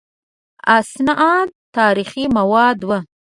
دا اسناد د تاریخ مواد وو.